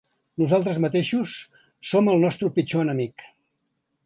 Nosaltres mateixos som el nostre pitjor enemic.